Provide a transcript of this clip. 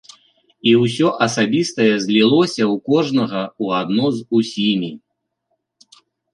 І ўсё асабістае злілося ў кожнага ў адно з усімі.